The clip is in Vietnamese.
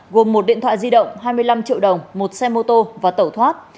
gồm một điện thoại di động hai mươi năm triệu đồng một xe mô tô và tẩu thoát